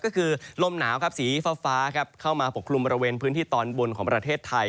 ก็คือลมหนาวครับสีฟ้าเข้ามาปกคลุมบริเวณพื้นที่ตอนบนของประเทศไทย